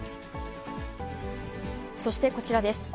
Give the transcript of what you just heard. そしてこちらです。